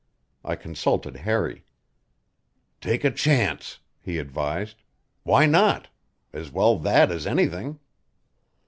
I consulted Harry. "Take a chance," he advised. "Why not? As well that as anything."